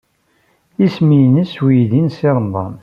Isem-nnes uydi n Si Remḍan?